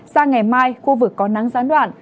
sao ngày mai khu vực có nắng gián đoạn